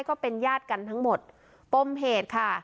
ก็เป็นญาติกันทั้งหมดปมเหตุค่ะ